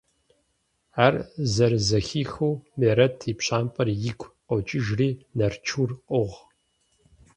Ар зэрызэхихыу, Мерэт и пщампӀэр игу къокӀыжри Нарчур къогъ.